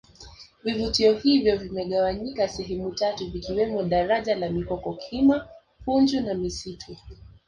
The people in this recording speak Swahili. vivutio hivyo vimegawanyika sehemu tatu vikiwemo daraja la mikoko kima punju na misitu